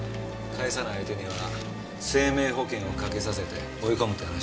返さない相手には生命保険をかけさせて追い込むって話だ。